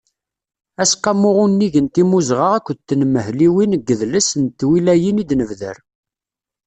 Aseqqamu unnig n timmuzɣa akked tenmehliwin n yidles n twilayin i d-nebder.